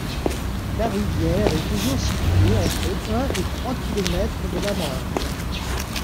La rivière est toujours située entre un et trois kilomètres de la Marne.